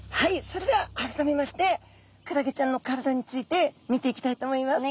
それでは改めましてクラゲちゃんの体について見ていきたいと思います。